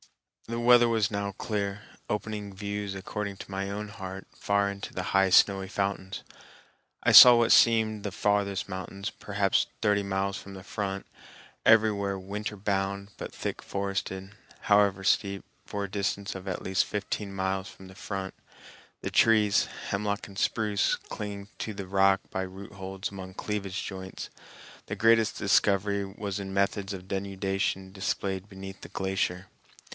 The weather was now clear, opening views according to my own heart far into the high snowy fountains. I saw what seemed the farthest mountains, perhaps thirty miles from the front, everywhere winter bound, but thick forested, however steep, for a distance of at least fifteen miles from the front, the trees, hemlock and spruce, clinging to the rock by root holds among cleavage joints. The greatest discovery was in methods of denudation displayed beneath the glacier.